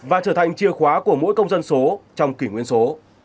và trở thành chìa khóa của mỗi công dân số trong kỷ nguyên số